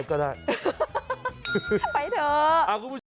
ไปก็ได้ไปเถอะ